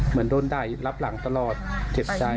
เหมือนโดนด่ายรับหลังตลอดเจ็บใจ